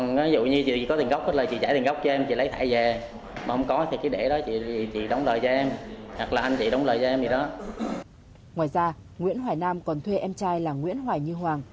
ngoài ra nguyễn hoài nam còn thuê em trai là nguyễn hoài như hoàng